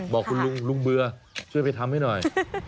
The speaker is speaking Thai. บอกคุณลุงลุงเบื่อช่วยไปทำให้หน่อย